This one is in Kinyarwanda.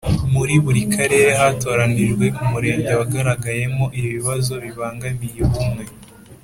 Muri buri Karere hatoranijwe Umurenge wagaragayemo ibibazo bibangamiye ubumwe